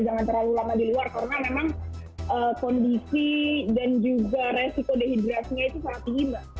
jangan terlalu lama di luar karena memang kondisi dan juga resiko dehidrasinya itu sangat tinggi mbak